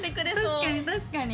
確かに確かに。